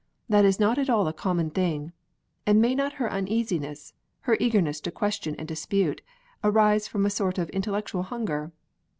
That is not at all a common thing. And may not her uneasiness, her eagerness to question and dispute, arise from a sort of intellectual hunger?